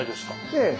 ええ。